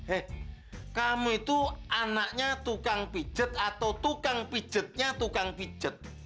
eh kamu itu anaknya tukang pijet atau tukang pijetnya tukang pijet